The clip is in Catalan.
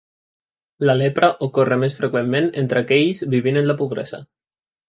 La lepra ocorre més freqüentment entre aquells vivint en la pobresa.